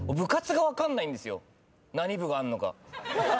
何部があるのか。